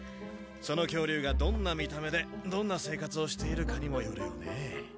その恐竜がどんな見た目でどんな生活をしているかにもよるよね。